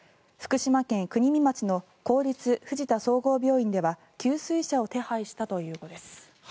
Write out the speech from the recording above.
福島県国見町の公立藤田総合病院では給水車を手配したということです。